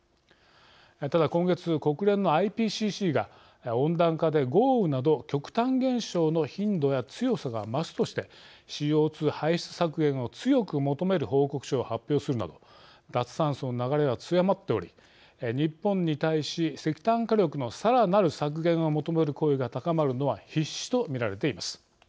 ただ今月、国連のＩＰＣＣが温暖化で豪雨など極端現象の頻度や強さが増すとしてＣＯ２排出削減を強く求める報告書を発表するなど脱炭素の流れは強まっており日本に対し石炭火力のさらなる削減を求める声が高まるのは必至とみられています。